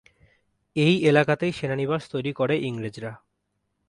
এই এলাকাতেই সেনানিবাস তৈরি করে ইংরেজরা।